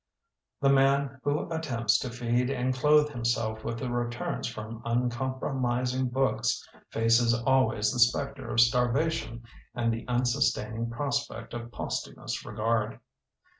The man who attempts to feed and clothe himself with the returns from uncompromising books faces al ways the spectre of starvation and the unsustaining prospect of posthumous regard.